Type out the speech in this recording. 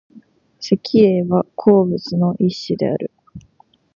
石英は鉱物の一種である。